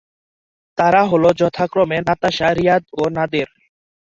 তারা হলো যথাক্রমে নাতাশা, রিয়াদ ও নাদের।